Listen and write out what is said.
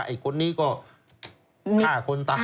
ถ้ายังคนนี้ก็ฆ่าคนตาย